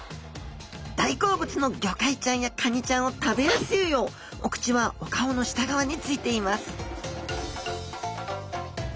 大好物のゴカイちゃんやカニちゃんを食べやすいようお口はお顔の下側についています